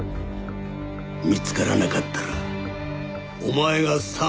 見つからなかったらお前が３億払えよ。